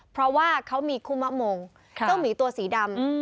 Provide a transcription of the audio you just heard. เพราะว่าเขามีคุมะมงเจ้าหมีตัวสีดำ